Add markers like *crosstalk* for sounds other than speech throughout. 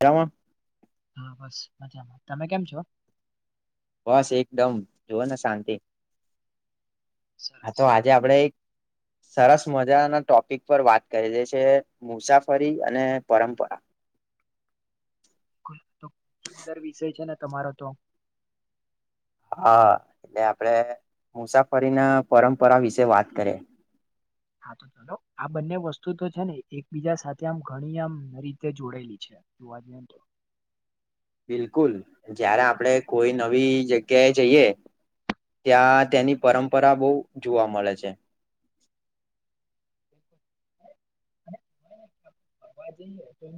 કેમ હા બસ મજામાં તમે કેમ છો બસ એકદમ જુઓ ને શાંતિ હ સરસ તો આજે આપડે *unintelligible* સરસ મજાના ટોપિક પર વાત કરી દે છે મુસાફરી અને પરંપરા સુંદર વિષય છે ને તમારો તો હા એટલે આપડે મુસાફરી ના પરંપરા વિશે વાત કરીએ હા તો ચલો આ બંને વસ્તુ તો છે ને એક બીજા સાથે આમ ઘણી આમ રીતે જોડેલી છે વાજ બિલકુલ જયારે આપડે કોઈ નવી જગ્યાએ જઈએ ત્યાં તેની પરંપરા બહુ જોવા મળે છે બકુલ જ એ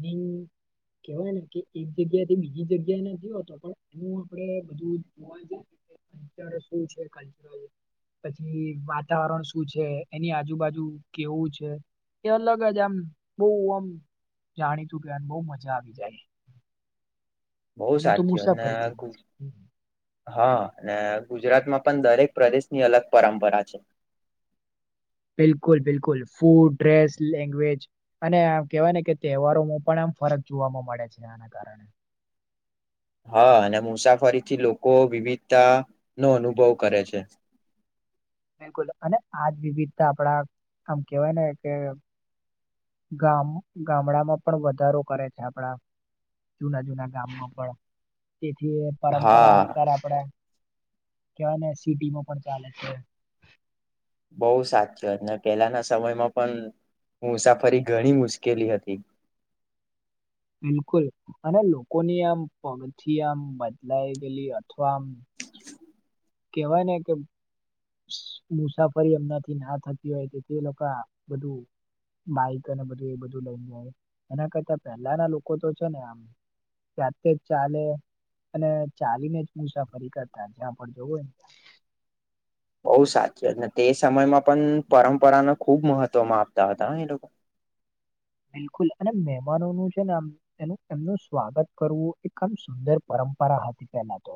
ની કેવાય ને કે એક જગ્યા થી બીજી જગ્યા એ ના જેયો તો પણ એનું આપણે બધું જોવાઈએ કચ શું છે કલચ પછી વાતાવરણ શું છે એની આજુબાજુ કેવું છે એ અલગ જ આમ બહુઆમ જાણીતું કે બહુ મજા આવી જાય બહુ એને તો સાચી અને મુસાફરી કહીએ આખું છે. હા અને ગુજરાતમાં પણ દરેક પ્રદેશની અલગ પરંપરા છે બિલકુલ બિલકુલ ફૂડ ડ્રેસ લેગવેજ અને આ કેવાય ને કે તહેવારોમાં પણ ફરક જોવાવામાં મળે છે આના કારણે હા અને મુસાફરીથી લોકો વિવિધતા નો અનુભવ કરે છે બિલકુલ અને આજ વિવિધતા આપડા આમ કેવાય ને કે ગામ ગામડામાં પણ વધારો કરે છે આપણા જુના જૂના ગામમાં પણ તેથી પરંપરા હા અત્યારે આપણેે કવાય ને સિટીમાં પણ ચાલે છે બહુ સાચું અને પેલાના સમયમાં પણ મુસાફરી ઘણી મુશ્કેલી હતી *inaudible* બિલકુલ અને લોકોની આમ પગથી આમ બદલાય ગયેલી, અથવા આમ કેવાય, ને કે મુસાફરી, હમનાથી ના થતી હોય, તો તે લોકો બધું બાઈક અને બધું એ બધું લઈને જાય, એના કરતા પહેલાના લોકો તો છે, ને આમ ત્યાતે, જ ચાલે અને ચાલીને જ મુસાફરી કરતા જ્યા, પણ જોવું, હોયને બઉુ સાચું ને, તે સમયમાં પણ પરંપરાને ખુબ મહત્વમાં આપતા હતા, એ લોકો *inaudible* બિલકુલ અને મહેમાનોનું છે, ને આમ એનું એમનું સ્વાગત, કરવું એક આમ સુંદર પર પરંપરા હથી, પેલા તો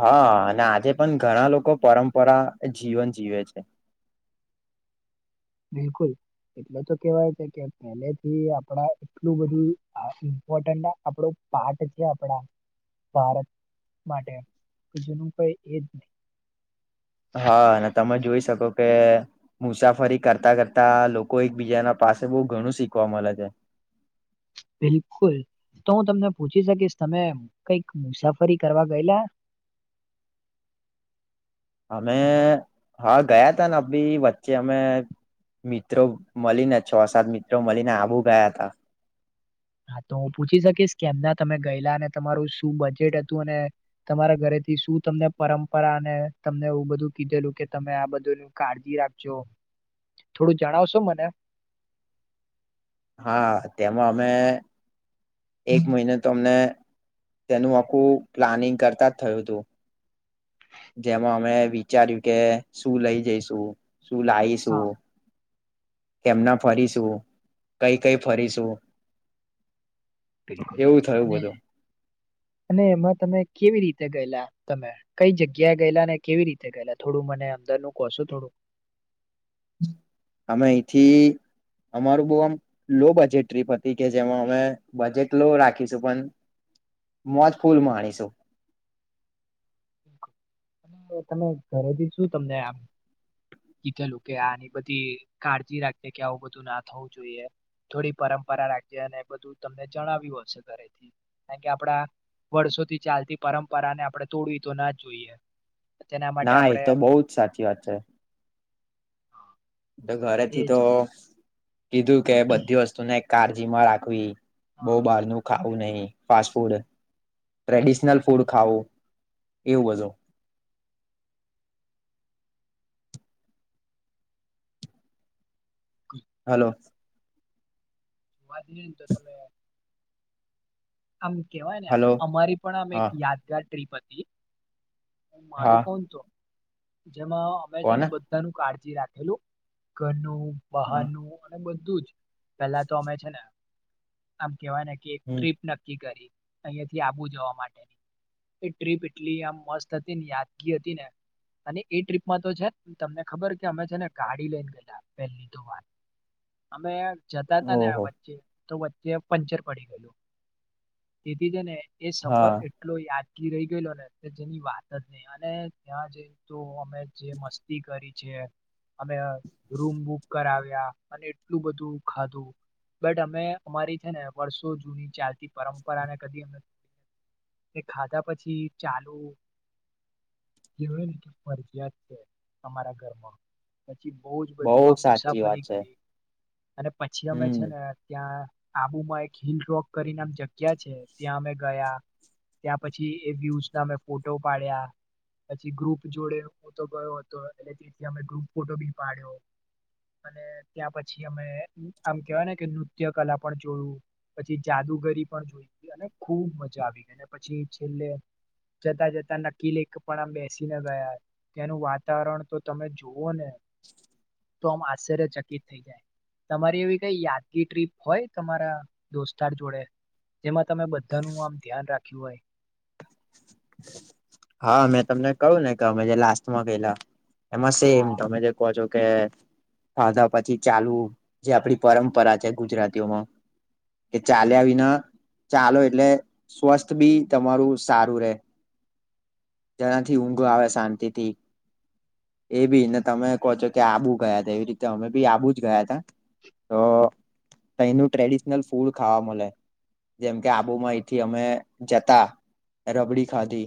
હા, અને આજે પણ ઘણા લોકો પરંપરા જીવન જીવે છે. બિલકુલ એટલે તો કેવાય છે, કે પેલે થી આપડા એટલું બધું ઇમ્પોર્ટ આપડ પાઠ છે, આપડા ભારત માટેજુનું કઈ, એજ, નહી. હા, અને તમે જોઈ, શકો કે મુસાફરી કરતા કરતા લોકો એકબીજાના પાસે બહ, ઘણું શીખવા મળે છે. બિલકુલ. તો હું, તમને પૂછી શકીશ તમે કઈક મુસાફરી કરવા ગયેલા *inaudible* અમે હલો હા ગયા, ત ને અભી વચ્ચે અમે મિત્રો મળીને છ, સાત મિત્રો મળીને આબુ ગયા, તા હા, તો હું પૂછી, શકીશ કેમના તમે ગયેલા અને તમારું શું બજેટ હતું, અને તમારા ઘરે થી શું, તમને પરંપરા અનેને તમને એવું બધું કીધેલું, કે તમે આ બધું કાળજી રાખજો થોડું, જણાવશો મને હા, તેમાં અમે એક મહિને, તો અમને તેનું આખું પ્લાનિંગ કરતા જ થયું, હતું. જેમાં અમે વિચાર્યું કે શું લઈ, જઈશું શું હા લાવીશું. એમના ફરીશું કઈ, કઈ ફરીશું એવું થયું, બધું હ અને એમાં તમે કેવી રીતે ગયેલા, તમે કઈ જગ્યા ગયેલા, ને કેવી રીતે ગયેલા, થોડું મને ન કશો, થોડું અમે, એહીંથી. અમારું, બહ આમ લો બજેટ ટ્રીપ હતી, કે જેમાં અમે બજેટ લો રાખીશું પણ મોજ, ફૂલમાંણીશું *inaudible* અને તમે ઘરેથી, શું તમને આમ કીધેલું કે આની બધી કાળજી રાખે કે આવું બધુંના થવું, જોઈએ થોડી, પરંપરા રાખજે અને એ બધું તમને જણાવ્યું હશે ઘરેથી, કારણ કે આપડા વર્ષોથી ચાલતી, પરંપરા ને આપણે તોડવી તો ના જ, જોઈએ તેના માટે ના એ આપણે તો બહુ જ સાચી વાત છે. *inaudible* ઘરેથી, તો એજ કીધું કે બધી વસ્તુને કાળજીમા રાખવી. બહ બાર ન ખાવું નહી, ફાસ્ટ ફૂડ ટ્રેડિશનલ ફૂડ ખાવું એવું, બજો હલો. માને, તો તમે આમ કેવાય ને હલો અમારી, પણ આમ એક હા યાદગાર ટ્રીપ હતી. હ હા મારું કોણ તો જેમાં અમે છે ને કોને બધાનું કાળજી રાખેલું ઘરનું હા બહારનું અને પેલા તો અમે છે ને આમ કેવાય ને કે એક હમ ટ્રીપ નક્કી કરી અહિયાંયા થી આબુ જવા માટેની એ ટ્રીપ એટલી આમ મસ્ત હતી ને યાદગી હતી ને અને એ ટ્રીપમાં તો છે તમને ખબર કે અમે છે ને ગાડી લઈને ગેા પહેલી તો વાત અમે જતા હતા ને આ ઓહો વચ્ચે તો વચ્ચે પંચર પડી ગયેલું તેથી જ ને એ સફર હા એટલો યાદગીર રહી ગયેલો ને અત્ય જેની વાત ન અને ત્યાં જઈને તો અમે જે મસ્તી કરી છે અમે રૂમ બુક કરાવ્યા અને એટલું બધું ખાધું બટ અમે અમારી છે ને વર્ષો જૂની ચાલતી પરંપરા ને કદી અ એ ખાધા પછી ચાલુ જે કે ફરજીિયાત છે અમારા ઘરમાં પછી બહ જ બધું બહુ આ સાચી વાત મુસાફરી છે કરી અને પછી અમે છે હમ ને ત્યાં આબુમાં એક હિલ રોક કરીને જગ્યા છે ત્યાં અમે ગયા ત્યાં પછી એ વ્યુઝ ના મેમે ફોટો પાડ્યા પછી ગ્રુપ જોડે હું તો ગયો હતો એટલે તેથી અમે ગ્રુપ ફોટો બી પાડ્યો અને ત્યાં પછી અમે આમ કેવાય ને કે નૃત્ય કલા પણ જોયું પછી જાદુગરી પણ જોઈ અને ખૂબ મજા આવી ગઈ અને પછી છેલ્લે જતા જતા નકીલ એક પણ આ બેસીને ગયા ત્યાનું વાતાવરણ તો તમે જુઓ ને *inaudible* તો આમ આશ્ચર્યચકિત થઈ જાય તમારી એવી કઈ યાદગી ટ્રીપ હોય તમારા દોસ્તાર જોડે જેમાં તમે બધાનું આમ ધ્યાન રાખ્યું હોય હા મેં તમને કહું ને કે અમે જે લાસ્ટમાં ગેલા એમાં સેમ હા તમે જે કહો છો કે ખાધા પછી ચાલુ જે આપડી પરંપરા છે ગુજરાતીઓમાં કે ચાલ્યા વિના ચાલો એટલે સ્વસ્થ બી તમારું સારું રે જેના થી ઊંઘો આવે શાંતિથી એ બી ને તમે કહો છો કે આબુ ગયા ત એવી રીતે અમે બી આબુ જ ગયા તા તો તયનું ટ્રેડિશનલ ફૂડ ખાવા મળે જેમ કે આબુમાં એથી અમે જતા રબડી ખાધી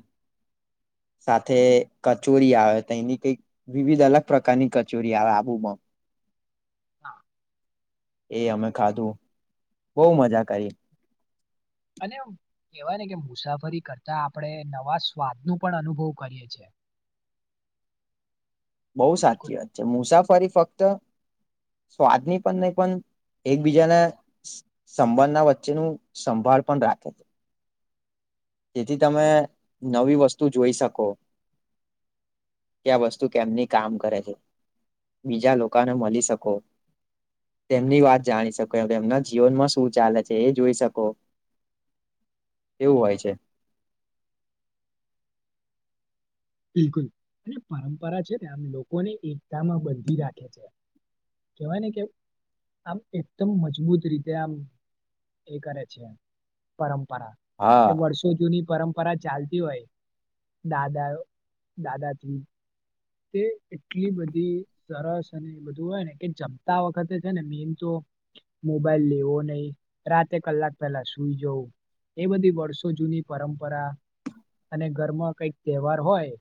*inaudible* સાથે કચોરી આવે તો એની કઈક વિવિધ અલગ પ્રકારની કચોરી આવે આબુમાં હા એ અમે ખાધું બહુ મજા કરી અને કેહેવાય ને કે મુસાફરી કરતા આપણે નવા સ્વાદ નો પણ અનુભવ કરીએ છ છે બહુ બિલકુલ સાચી વાત છે મુસાફરી ફક્ત સ્વાદની પણ નહી પણ એકબીજાને સંબંધના વચ્ચેનું સંભાળ પણ રાખે છે જેથી તમે નવી વસ્તુ જોઈ શકો કે આ વસ્તુ કેમની કામ કરે છે બીજા લોકોને મળી શકો તેમની વાત જાણી શકો તેમના જીવનમાં શું ચાલે છે એ જોઈ શકો એવું હોય છે બિલકુલ અને પરંપરા છે ને આમ લોકોને એકતામાં બંધી રાખે છે કેહેવાય ને કે આમ એકદમ મજબૂત રીતે આમ એ કરે છે પરંપ કે હા વર્ષો જૂની પરંપરા ચાલતી હોય દાદાઓ દાદાજી્ કે એટલી બધી સરસ અને એ બધું હોય ને કે જમતા વખતે છે ને મેીન તો મોબાઈલ લેવો નહી રાતે કલાક પેલા સુઈ જવું. એ બધી વર્ષો જૂની પરંપરા અને ઘરમાં કઈક તહેવાર હોય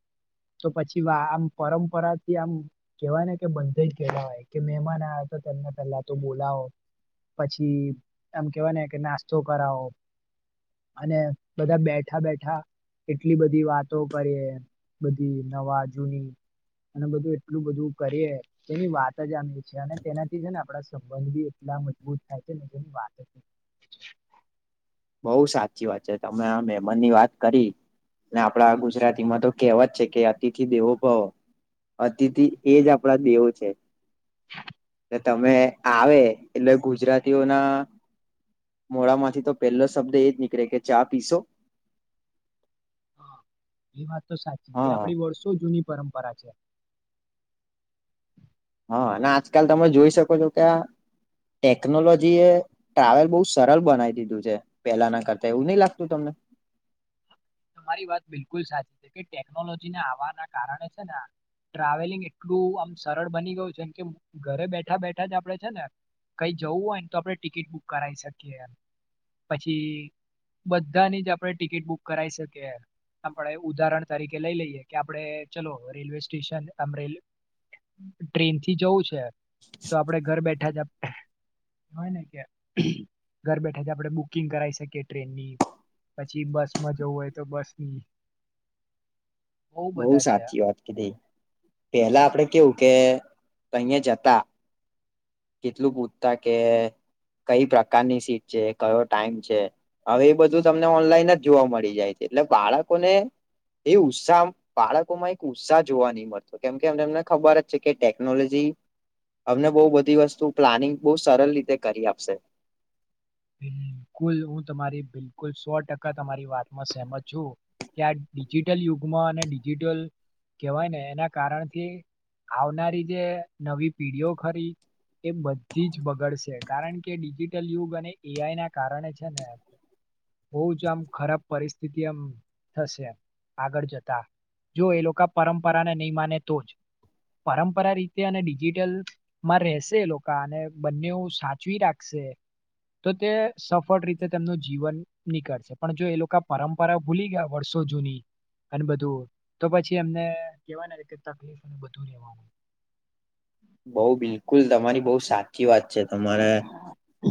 તો પછી વા આમ પરંપરાથી આમ કેવાય ને કે બંધે જ ગલા હોય કે મહેમાન આ તો તેમને પેલા તો બોલા વો પછી એમ કેવા ને કે નાસ્તો કરાવો. અને બધા બેઠા બેઠા કેટલી બધી વાતો કરીએ બધી નવા જૂની અને બધું એટલું બધું કરીએ તેની વાત જ આવી છે અને તેનાથી છે ને આપણા સંબંધ બી એલા મજબૂત થાય છેન જેની વાત જ બઉ સાચી વાત છે તમે આ મેમનની વાત કરી. ને આપડા ગુજરાતીમાં તો કેહેવત છે કે અતિથિ દેવો ભવ. અતિથિ એજ આપણા દેવો છે. ને તમે આવે એટલે ગુજરાતીઓના મોડામાંથી તો પહેલો શબ્દ એ જ નીકળે કે ચા પીશો? હા એ વાત તો સાચી એ હા આપડી વર્ષો જૂની પરંપરા છે. હા અને આજકાલ તમે જોઈ શકો છો કે આ ટેકનોલોજી એ ટ્રાવેલ બહુ સરળ બનાવી દીધું છે પેલાના કરતા એવું નહી લાગતું તમને. તમારી વાત બિલકુલ સાચી છે કે ટેકનોલોજીને આવવાના કારણે છે ને આ ટ્રાવેલિંગ એટલું આમ સરળ બની ગયું છે કેમ કે ઘરે બેઠા બેઠા જ આપડે છે ને કઈ જવું હોય ને તો આપડણે ટિકિટ બુક કરાવી શકીએ એમ. પછી બધાની જ આપણે ટિકિટ બુક કરાઈ શકીએ. આપણે ઉદાહરણ તરીકે લઈ લઈએ કે આપડે ચલો રેલવે સ્ટેશન આમ રેલ ટ્રેન થી જવું છે તો આપડે ઘર બેઠા જ આમ હોય ને કે ઘર બેઠા જ આપણે બુકિંગ કરાઈ શકીએ ટ્રેનની. પછી બસમાં જવું હોય તો બસ ની. બઉ સાચી વાત કીધી પેલા આપડે કેવું કે અહીયા જતા. કેટલું પૂછતા કે કઈ પ્રકારની સીટ છે કયો ટાઈમ છે. હવે એ બધું તમને ઓનલાઈન જ જોવા મળી જાય છે એટલે બાળકોને એ ઉત્સાહ બાળકો માં એક ઉત્સાહ જોવા નહી મળતો કેમ કે એમને એમને ખબર જ છે કે ટેકનોલોજી અમને બહ બધી વસ્તુ પ્લાનિંગ બહ સરળ રીતે કરી આપશે. બિલકુલ હું તમારી બિલકુલ સો ટકા તમારી વાતમાં સહેમત છું. કે આ ડિજિટલ યુગમાં અને ડિજિટલ કહેવાય ને એના કારણથી આવનારી જે નવી પીઢીઓ ખરી એ બધી જ બગડશે કારણ કે ડિજિટલ યુગ અને ઈઆઈ ના કારણે છે ને બહ જ આમ ખરાબ પરિસ્થિતિ એમ થશે આગળ જતા. જો એ લોકો પરંપરાને નહીં માને તો જ. પરંપરા રીતે અને ડિજિટલ માં રહેશે એ લોકો અને બંને સાચવી રાખશે. તે તો તે સફળ રીતે તેમનું જીવન નીકળશે પણ જો એ લોકો પરંપરા ભૂલી ગયા વર્ષો જુની. અને બધું તો પછી એમને કેવા તકલીફને બધું લેવાનુંય. *inaudible* બઉ બિલકુલ તમારી બઉ સાચી વાત છે તમારે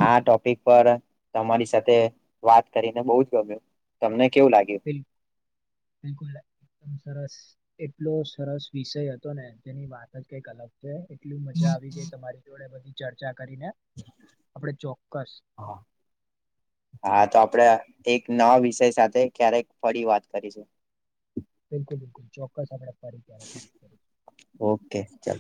આ ટોપિક પર તમારી સાથે વાત કરીને બહ જ ગમ તમને કેવું લાગ્યું? બિલ બિલકુલ. સરસ એટલો સરસ વિષય હતો ને જેની વાત જ કઈક અલગ છે. કેટલું મજા આવી ગઈ તમારી જોડે બધી ચર્ચા કરીને આપડ ચો હા હા તો આપડે એક નવા વિષય સાથે ક્યારેક ફરી વાત કરી છે બિલકુલ બિલકુલ ચોક આપણે ફરી ક્યારેક વાત કરીશું ઓકે ચાલ